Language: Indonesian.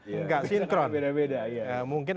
enggak sinkron beda beda ya mungkin